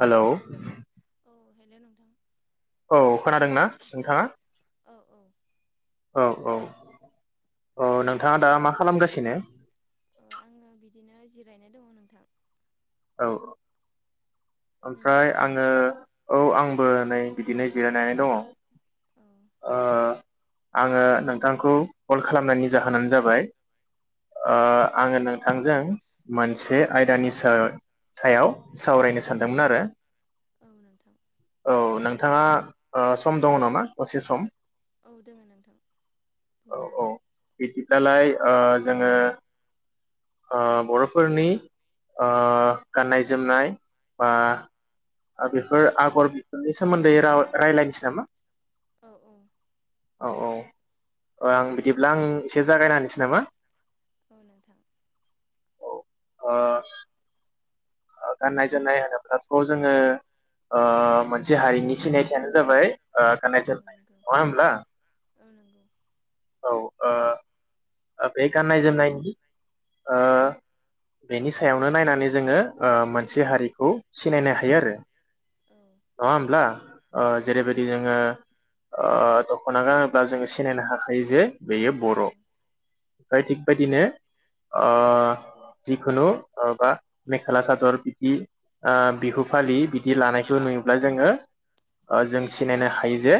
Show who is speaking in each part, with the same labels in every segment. Speaker 1: Hello
Speaker 2: औ hello नोंथां।
Speaker 1: औ खोनादोंना नोंथाङा
Speaker 2: औ औ
Speaker 1: औ औ अ नोंथाङा दा मा खालामगासिनो
Speaker 2: अ आङो बिद बिदिनो जिरायनाय दङ नोंथां।
Speaker 1: औ ओमफ्राय
Speaker 2: नोंथाङालाय
Speaker 1: आङो औ आं बोर नै बिदिनो जिरायनानै दङ।
Speaker 2: औ
Speaker 1: ओ आङो नोंथांखौ कल खालामनायनि जाहोनानो जाबाय ओ आङो नोंथांजों मोनसे आयदानि साय-सायाव सावरायनो सानदोंमोन आरो।
Speaker 2: औ नोंथां
Speaker 1: औ नोंथाङा ओ सम दङ नामा दसे सम?
Speaker 2: औ दोङो नोंथां
Speaker 1: औ
Speaker 2: बुंनो
Speaker 1: औ
Speaker 2: हागोन
Speaker 1: बिदिब्लालाय ओ जोङो ओ बर'फोरनि ओ गाननाय जोमनाय बा बेफोर आगर बेफोरनि सोमोन्दै राव-राय्लायनोसै नामा?
Speaker 2: औ औ
Speaker 1: औ औ। आं बिदिब्ला आं एसे जागायना होनसै नामा
Speaker 2: औ नोंथां।
Speaker 1: ओ गाननाय जोमनाय होनोब्लाथ जोङो ओ मोनसे हारिनि सिनायथियानो जाबाय ओ
Speaker 2: औ
Speaker 1: गान्नाय जोमनाय
Speaker 2: नंगौ
Speaker 1: नंङा होनब्ला?
Speaker 2: औ नंगौ
Speaker 1: औ ओ बे गाननाय जोमनायनि ओ बेनि सायावनो नायनानै जोङो ओ मोनसे हारिखौ सिनायनो हायो आरो।
Speaker 2: औ
Speaker 1: नङा होमब्ला ओ
Speaker 2: औ नंगौ
Speaker 1: जेरैबायदि जोङो ओ दखना गानोब्ला जोङो सिनायनो हाखायो जे बेयो
Speaker 2: औ
Speaker 1: बर' थिग बादिनो ओ जिखुनु ओ बा मेखला सादर बिदि ओ बिहु फालि बि दि लानायखौ नुय हो ओ जों सिनायनो हायो जे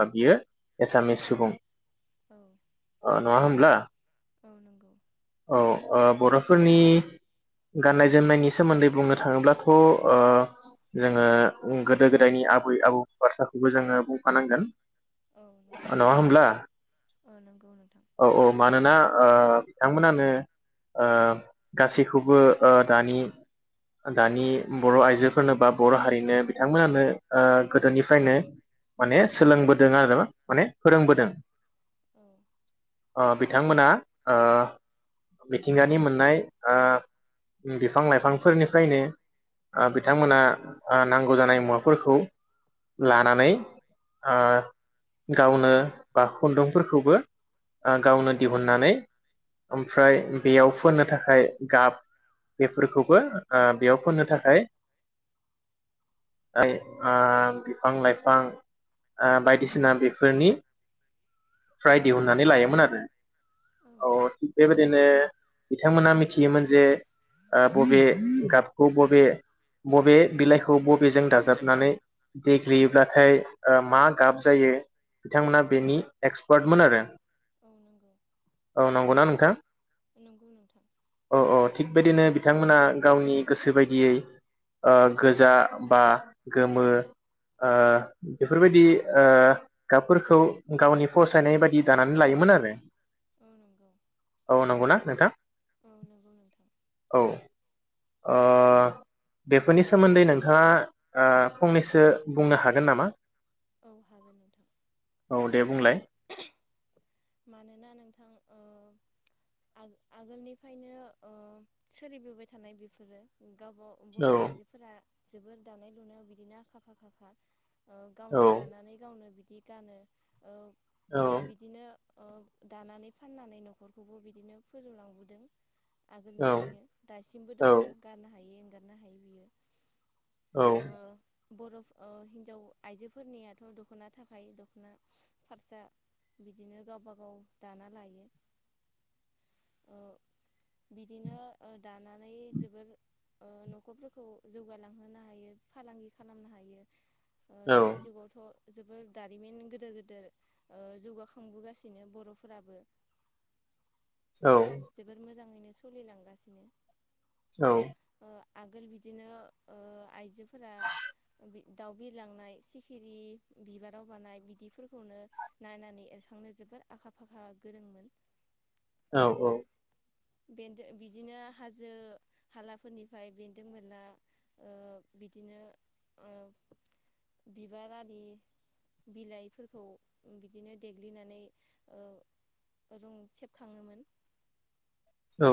Speaker 1: ओ बियो एसामिस सुबुं
Speaker 2: औ
Speaker 1: नङा होमब्ला
Speaker 2: औ नंगौ औ नंगौ
Speaker 1: औ बर' फोरनि गाननाय जोमनायनि सोमोन्दै बुंनो थाङोब्लाथ ओ जोङो गोदो गोदायनि आबै आबौ बाथ्राखौबो जोङो बुंफानांगोन
Speaker 2: औ
Speaker 1: नङा होमब्ला
Speaker 2: नंगौ नोंथां
Speaker 1: औ औ मानोना ओ बिथांमोनानो ओ गासैखौबो ओ दानि दानि बर आइजोफोरनो बा बर'हारिनो बिथांमोनानो ओ गोदोनिफ्रायनो माने सोलोंबोदों आरो माने फोरोंबोदों।
Speaker 2: औ।
Speaker 1: ओ बिथांमोना ओ मिथिंगानि मोननाय ओ बिफां लाइफांफोरनिफ्रायनो ओ बिथांमोना ओ नां गौजानाय मुवाफोरखौ लानानै ओ गावनो बा खुन्दुंफोरखौबो ओ गावनो दिहुननानै ओमफ्राय बेयाव फोननो थाखाय गाब बेफोरखौबो ओ बेयाव फोननो थाखाय ओ बिफां लाइफां ओ बायदिसिना बेफोरनि फ्राय दिहुनन्नानै लायोमोन आरो औ थिग बेबायदिनो बिथांमोना मिथियोमोन जे ओ बबे गाबखौ बबे बबे बिलाइखौ खौबोद बेजों दाजाबनानै देग्लेयोब्लाथाय ओ मा गाब जायो बिथांमोना
Speaker 2: औ
Speaker 1: बेनि एक्सपार्टमोन आरो औ नंगौना नोंथां
Speaker 2: नंगौ नोंथां
Speaker 1: औ औ थिग बेदिनो बिथांमोना गावनि गोसो बायदियै ओ गोज जा बा गोमो बेफोरबायदि गाबफोरखौ गावनि फसायनाय बाददि दानानै लायोमोन आरो
Speaker 2: औ नंगौ
Speaker 1: औ नंगौना नोंथां
Speaker 2: औ नंगौ नोंथां
Speaker 1: औ। अ बेफोरनि सोमोन्दै नों नोंथाङा ओ फंनैसो बुंनो हागोन नामा?
Speaker 2: औ हागोन नोंथां
Speaker 1: औ दे बुंलाय
Speaker 2: मानोना नोंथां आगोलनिफ्रायनो सोलिबोबाय थानाय बेफोरो गावबाव
Speaker 1: औ
Speaker 2: बर' आइजोफोरा जोबोर दानाय लुनायाव बिदिनो आखा फाखा खा ओ
Speaker 1: औ
Speaker 2: गावनो दानानै गावनो बिदि गानो
Speaker 1: औ
Speaker 2: बिदिनो दानानै फाननानै नखरखौबो बिदिनो फोजौलांबोदों
Speaker 1: औ
Speaker 2: आगोलनिफ्रायनो दासिमबो दङ गारनो हायै एंगार हनो हायो बियो
Speaker 1: औ।
Speaker 2: बरफ ओ हिन्जाव। आइजोफोरनियाथ दखना थाखाय दखना फारसा बिदिनो गावबा गाव दाना लायो ओ बिदिनो ओ दानानै जोबोर ओ नखरफोरखौ जौगालांहोनो हायो फालांगि खालामनो हायो।
Speaker 1: औ
Speaker 2: दानि जुगावथ जोबोर दारिमिन गिदेर गिदेर जौगाखांबोगासिनो बरफोराबो
Speaker 1: औ
Speaker 2: जोबोर मोजाङैनो सलिलांगासिनो।
Speaker 1: औ
Speaker 2: आगोल बिदिनो ओ आइजो फोरा बि दाउबिर। लांनाय सिखिरि बिबाराव बानाय बिदिफोरखौनो नायनानै एरखांनो जोबोर आखा फाखा गोरोंमोन
Speaker 1: औ औ
Speaker 2: बेन्दों बिदिनो हाजो हालाफोरनिफ्राय बेन्दों बेनला ओ बिदिनो ओ बिबारारि बिलाइफोरखौ बिदिनो देग्लिनानै ओ रं सेबखाङोमोन।
Speaker 1: औ।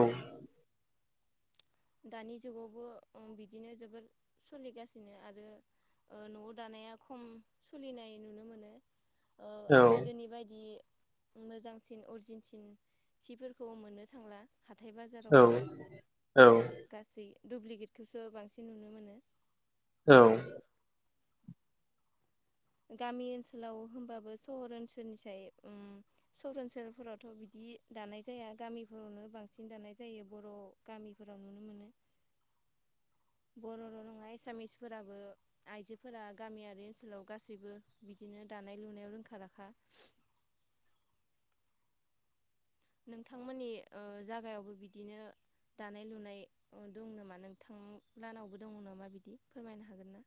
Speaker 2: दानि जुगावबो ओ बिदिनो जोबोर सोलिगासिनो आरो ओ नआव दानाया खम सोलिनाय नुनो मोनो। गोदोनि बायदि मोजांसिन अरिजिनसिन सिफोरखौ मोननो थांला। हाथाय बाजारावबो
Speaker 1: औ
Speaker 2: गासै। दुुब्लिकेटखौसो बांसिन नुनो मोनो
Speaker 1: औ।
Speaker 2: गामि ओनसोलाव होनबाबो सहर ओनसोलनिसाय ओम सहर ओनसोलफोरावथ बिदि दानाय जाया गामिफोरावनो बांसिन दानाय जायो बर' गामिफोराव नुनो मोनो। बर'ल नङा एसामिसफोराबो आइजोफोरा गामियारि ओनसोलाव गासैबो बिदिनो दानाय लुनायाव रोंखा राखा नोंथांमोननि ओ जागायावबो बिदिनो दानाय लुनाय दं नामा नोंथां लाहानावबो दङ नामा बिदि फोरमायनो हागोन ना।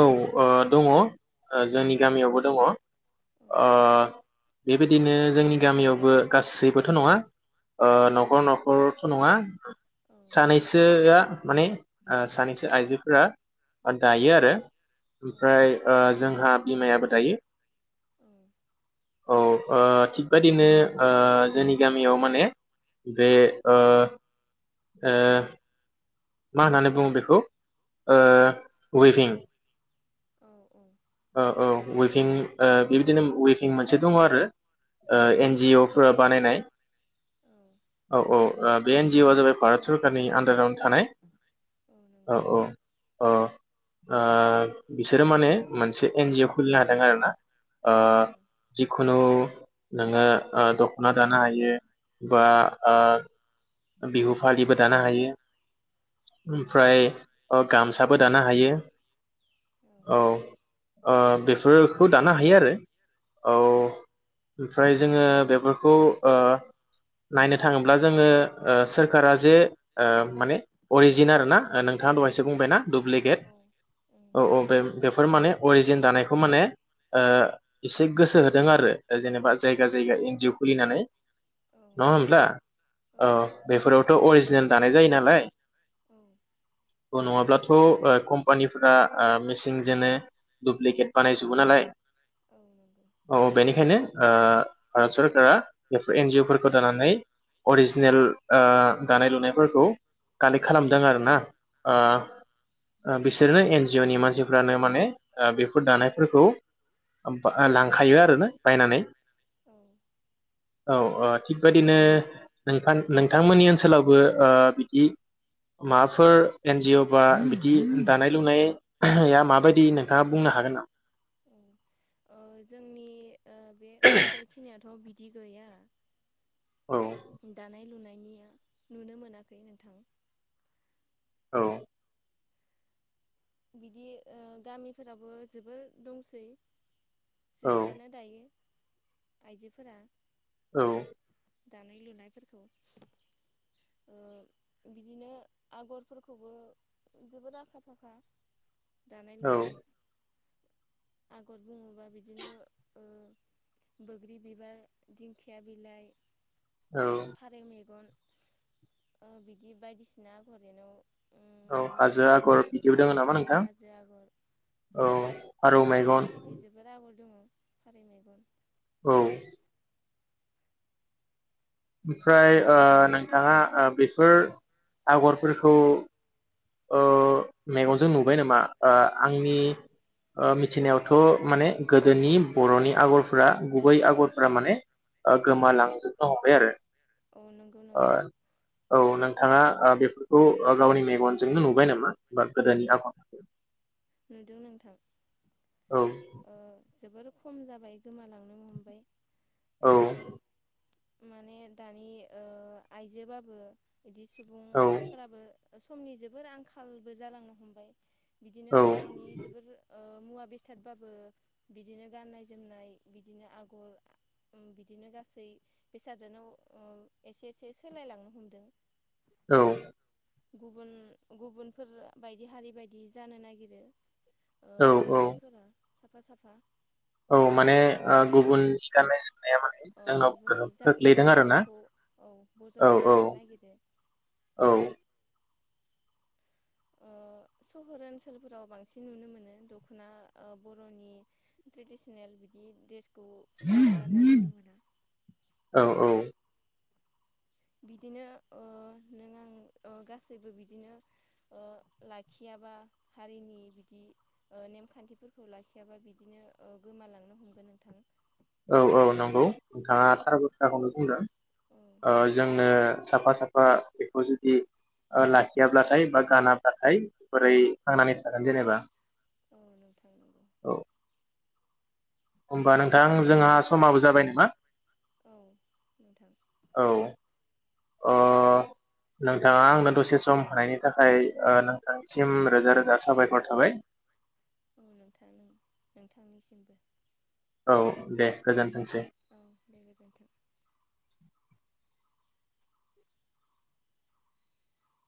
Speaker 1: औ दङ जोंनि गामियावबो दङ
Speaker 2: औ
Speaker 1: अ बेबायदिनो जोंनि गामियावबो गासैबोथ नङा नखर नखरथ नङा
Speaker 2: औ
Speaker 1: सानैसोआ माने ओ सानैसो आइजोफोरा दायो आरो
Speaker 2: औ
Speaker 1: ओमफ्राय ओ जोंहा बिमायाबो दायो
Speaker 2: [inaudible]
Speaker 1: औ ओ थिग बादिनो ओ जोंनि गामियाव माने बे ओ ओ मा होननानै बुङो बेखौ ओ उइभिं
Speaker 2: औ औ
Speaker 1: औ औ उइभिं बेबायदिनो उइबिं मोनसे दङ आरो। ओ एनजिअ फोरा बानायनाय
Speaker 2: औ
Speaker 1: औ औ बे एनजअ आ जाबाय भारत सरकारनि आडार आवो थानाय औ औ ओ ओ बिसोरो माने मोनसे एनजिअ खुलिनो हादों आर ना ओ
Speaker 2: औ
Speaker 1: जिखुनु नोंङो दखना दानो हायो बा ओ बिहु फालिबो दानो हायो।
Speaker 2: औ
Speaker 1: ओमफ्राय ओ गामसाबो दानो हायो औ ओ बेफोरखौ दानो हायो आरो औ ओमफ्राय जोङो बेफोरखौ ओ नायनो थाङोब्ला जोङो ओ सोरखारा जे ओ माने अरिजिन आरो ना नोंथाङा दहायसो
Speaker 2: औ
Speaker 1: बुंबायना दुुब्लिकेट
Speaker 2: औ उम
Speaker 1: औ औ बे बेफोर माने अरिजिन दानायखौ माने ओ एसे गोसो होदों आरो जेनेबा जायगा जायगा एनजअ खुलिनानै
Speaker 2: औ
Speaker 1: नङा होमब्ला
Speaker 2: औ नंगौ
Speaker 1: बेफोरावथ' अरिजिनेल दानाय जायो नालाय
Speaker 2: औ
Speaker 1: नङाब्लाथ कम्पानिफ्रा मेसिनजोंनो दुप्लिकेट बानायजोबो नालाय
Speaker 2: औ नंगौ
Speaker 1: औ बेनिखायनो ओ भारत सरकारा बेफोर एनजिअ फोरफोरखौ दानानै अरिजि नेल ओ दानाय लुनायफोरखौ कालेक्ट खालामदों आर ना
Speaker 2: औ
Speaker 1: ओ बिसोरनो एन जिअ नि मानसिफ्रानो माने बेफोर दानायफोरखौ लांखायो आरोना बायनानै ‌।
Speaker 2: औ
Speaker 1: औ औ थिगबायदिनो नोंथां नोंथांमोननि ओनसोलावबो ओ बिदि माबाफोर एनजअ बा बिदि दानाय लुनाया माबायदि नोंथाङा बुंनो हागोन नामा
Speaker 2: ओ जोंनि बे ओनसोल खिनियाथ' दि गैया।
Speaker 1: औ
Speaker 2: दानाय लुनाय इनिया नुनो मोनाखै नोंथां।
Speaker 1: औ।
Speaker 2: बिदि ओ गामिफोराबो जोबोर दंसै। जोबोरानो दायो। आइजोफोरा
Speaker 1: औ।
Speaker 2: दानाय लुनायफोरखौ ओ बिदिनो आगरफोरखौबो जोबोद आखा फाखा। दानाय
Speaker 1: औ
Speaker 2: लुनाय। आगर बुङोबा बिदिनो ओ बोग्रि बिबार दिंखिया बिलाइ
Speaker 1: औ
Speaker 2: फारेव मेगन। ओ बिदि बायदिसिना आगर एरनाव
Speaker 1: औ हाजो आगर [unintelligible] नामा
Speaker 2: अ
Speaker 1: नोंथां
Speaker 2: हाजो आगर
Speaker 1: औ [unintelligible]
Speaker 2: बायदि बायदि जोबोर आ खर दङ फारै मैगन।
Speaker 1: औ। ओमफ्राय ओ नोंथाङा ओ बेफोर आगरफोरखौ ओ मेगनजों नुबाय नामा ओ आंनि ओ मिथिनायावथ' माने गोदोनि बर'नि आगरफोरा गुबै आगरफोरा माने ओ गोमालांजोबनो हमबाय आरो।
Speaker 2: अ नंगौ नोंथां।
Speaker 1: थाङा ओ बेफोरखौ ओ गावनि मेगन जोंनो नुबाय नामा? बा गोदनि आबहावा
Speaker 2: नुदों नोंथां। ओ जोबोर खम जाबाय गोमालांनो हमबाय।
Speaker 1: औ।
Speaker 2: माने दानि ओ आयजोबाबो बिदि सुबुं
Speaker 1: औ
Speaker 2: फोराबो समनि जोबोर आंखालबो जालांनो हमबाय। बिदिनो बर'नि जोबोर ओ मुवा बेसादबाबो बिदिनो गाननाय जोमनाय बिदिनो आगर बिदिनो गासै बेसादोनाव ओ एसे एसे सोलायलांनो हमदों।
Speaker 1: औ।
Speaker 2: गुबुन गुबुनफोर बायदि हारि बायदि जानो नागिरो। ओ
Speaker 1: औ औ
Speaker 2: आइजोफोरा। साफा साफा।
Speaker 1: औ माने गुबुन ज [unintelligible]
Speaker 2: औ गुबुननि जा गाननाय
Speaker 1: आरोना
Speaker 2: जोमनायखौ औ
Speaker 1: औ
Speaker 2: बजबना
Speaker 1: औ
Speaker 2: लानो नागिरो
Speaker 1: औ
Speaker 2: ओ सहर ओनसोलफोराव बांसिन नुनो मोनो दखना बर'नि ट्रेडिसनेल बिदि द्रेसखौ
Speaker 1: औ औ
Speaker 2: बिदिनो नों आं गासैबो बिदिनो लाखियाबा हारिनि बिदि नेमखान्थिफोरखौ लाखियाबा बिदिनो गोमालांनो हमगोन नोंथां।
Speaker 1: औ औ नंगौ नोंथांङा थार बाथ्राखौनो बुंदों।
Speaker 2: औ
Speaker 1: जोंनो साफा साफा बेखौ जुदि ओ लाखियाब्लाथाय बा गानाब्लाथाय बोरै थांनानै थागोन जेनेबा?
Speaker 2: औ नोंथां नंगौ
Speaker 1: औ होमबा नोंथां जोंहा समाबो जाबाय नामा
Speaker 2: औ नोंथां।
Speaker 1: औ अ नोंथाङा आंनो दसे सम होनायनि थाखाय ओ नोंथांनिसिम रोजा रोजा साबायखर थाबाय।
Speaker 2: औ नोंथां नोंथांनिसिमबो
Speaker 1: औ दे गोजोनथों
Speaker 2: औ दे गोजोनथों